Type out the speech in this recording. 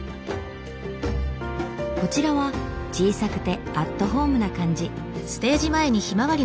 こちらは小さくてアットホームな感じ。